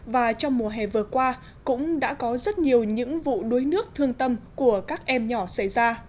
và trong mùa hè vừa qua cũng đã có rất nhiều những vụ đuối nước thương tâm của các em nhỏ xảy ra